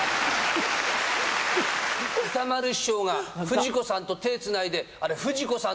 歌丸師匠が冨士子さんと手つないであれ冨士子さん